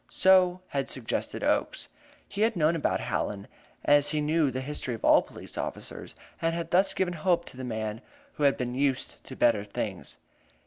So had suggested Oakes. He had known about Hallen, as he knew the history of all police officers, and had thus given hope to the man who had been used to better things.